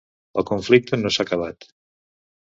El conflicte no s’ha acabat.